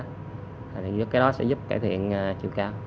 thì cái đó sẽ giúp cải thiện chiều cao